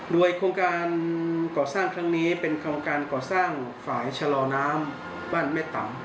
โดยโครงการก่อสร้างครั้งนี้เป็นโครงการก่อสร้างฝ่ายชะลอน้ำบ้านแม่ต่ำ